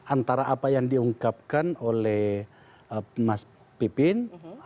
antara apa yang diungkapkan oleh mas pipin